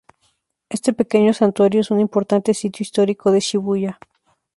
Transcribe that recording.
Este pequeño santuario es un importante sitio histórico de Shibuya.